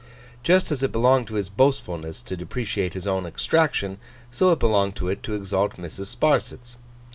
Just as it belonged to his boastfulness to depreciate his own extraction, so it belonged to it to exalt Mrs. Sparsit's.